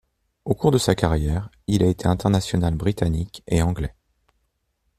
Au cours de sa carrière, il a été international britannique et anglais.